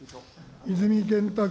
泉健太君。